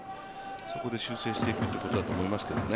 そこで修正していくということだと思いますけどね。